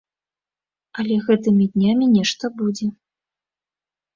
Але гэтымі днямі нешта будзе.